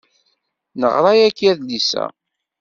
Neɣra yagi adlis-a.